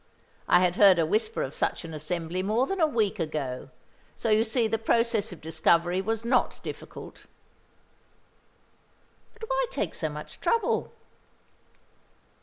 I had heard a whisper of such an assembly more than a week ago so you see the process of discovery was not difficult." "But why take so much trouble?"